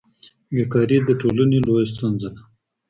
بېکاري د ټولني لویه ستونزه ده.